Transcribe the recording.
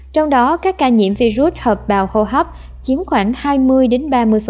trong đó các ca nhiễm virus hợp bào hô hấp chiếm khoảng hai mươi đến ba mươi